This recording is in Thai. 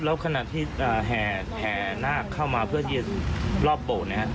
แล้วขณะที่แห่หน้าเข้ามาเพื่อเย็นรอบโปรด